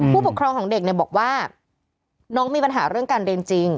ผู้ปกครองของเด็กเนี่ยบอกว่าน้องมีปัญหาเรื่องการเรียนจริง